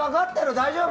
大丈夫？